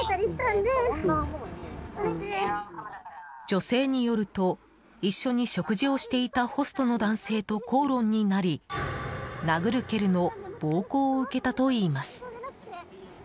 女性によると一緒に食事していたホストの男性と口論になり殴る蹴るの暴行を受けたといいます。